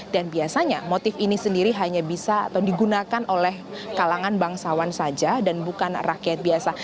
dan biasanya motif ini sendiri hanya bisa atau digunakan oleh kalangan bangsawan saja dan bukan rakyat biasa